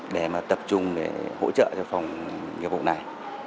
để tập trung hỗ trợ cho phòng nhiệm vụ này